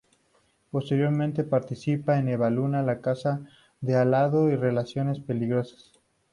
Posteriormente participa en "Eva Luna", "La casa de al lado" y "Relaciones peligrosas".